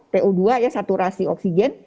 po dua ya saturasi oksigen